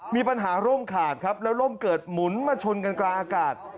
มีปัญหาร่มขาดครับแล้วร่มเกิดหมุนมาชนกันกลางอากาศ